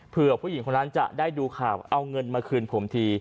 เพื่อผู้หญิงคนนั้นจะได้ดูข่าวเอาเงินมาคืนผมที